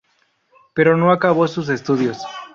Pero no acabó sus estudios.